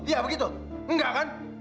iya begitu enggak kan